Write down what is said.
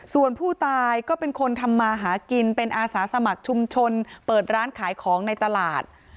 ส่วนผู้ตายก็เป็นคนทำมาหากินเป็นอาสาสมัครชุมชนเปิดร้านขายของในตลาด